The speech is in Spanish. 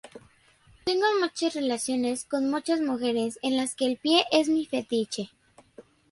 Tengo muchas relaciones con muchas mujeres en las que el pie es mi fetiche.